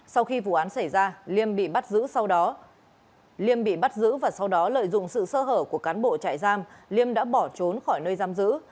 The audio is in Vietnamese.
sau khi vụ án xảy ra liêm bị bắt giữ và sau đó lợi dụng sự sơ hở của cán bộ chạy giam liêm đã bỏ trốn khỏi nơi giam giữ